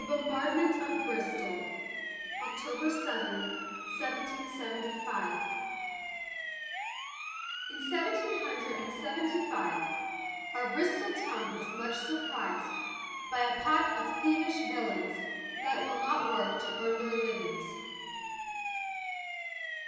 THE BOMBARDMENT OF BRISTOL [October 7, 1775] In seventeen hundred and seventy five, Our Bristol town was much surprised By a pack of thievish villains, That will not work to earn their livings.